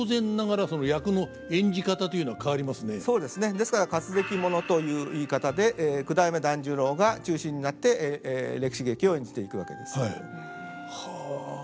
ですから活歴物という言い方で九代目團十郎が中心になって歴史劇を演じていくわけです。はあ。